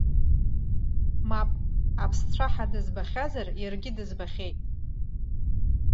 Мап, аԥсцәаҳа дызбахьазар иаргьы дызбахьеит!